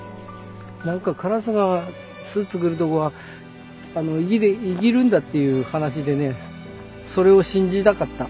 何かカラスが巣作るとこは生きるんだっていう話でねそれを信じたかった。